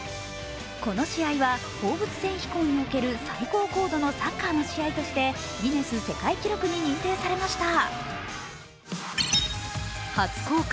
この試合は放物線飛行における最高高度のサッカーの試合としてギネス世界記録に認定されました。